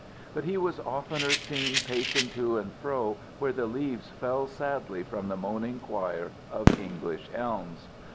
But he was oftener seen pacing to and fro where the leaves fell sadly from the moaning choir of English elms.